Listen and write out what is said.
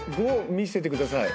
５見せてください。